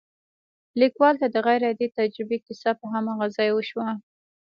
ليکوال ته د غير عادي تجربې کيسه په هماغه ځای وشوه.